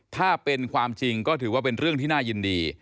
ถ้าเป็นความจริงก็ถือว่าเป็นเรื่องที่น่ายินดี